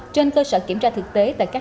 trên cơ sở kiểm tra thực tế tại các